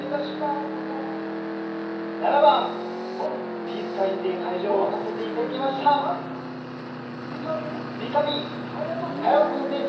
７番「ピースサイン」で会場を沸かせていただきましたみかみ君です。